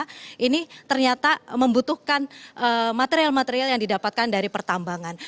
kita membutuhkan material material yang didapatkan dari pertambangan